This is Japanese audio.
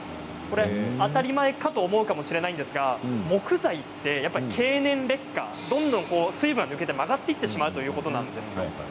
当たり前だと思うかもしれませんが木材は経年劣化でどんどん水分が抜けて曲がってきてしまうということなんです。